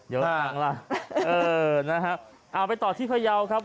เยอะจังล่ะเออนะฮะเอาไปต่อที่พยาวครับ